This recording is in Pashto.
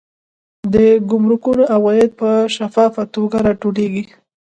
د ګمرکونو عواید په شفافه توګه راټولیږي.